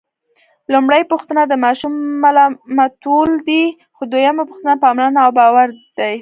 لومړۍ پوښتنه د ماشوم ملامتول دي، خو دویمه پوښتنه پاملرنه او باور دی.